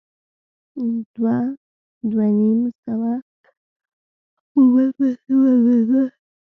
دوه، دوه نيم سوه کسان يو په بل پسې ولوېدل.